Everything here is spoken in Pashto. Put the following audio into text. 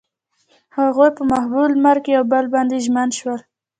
هغوی په محبوب لمر کې پر بل باندې ژمن شول.